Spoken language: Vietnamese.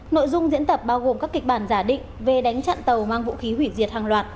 nội dung diễn tập bao gồm các kịch bản giả định về đánh chặn tàu mang vũ khí hủy diệt hàng loạt